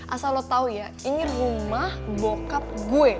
asal lo tau ya ini rumah bokap gue